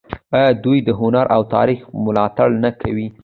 آیا دوی د هنر او تاریخ ملاتړ نه کوي؟